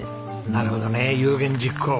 なるほどね有言実行。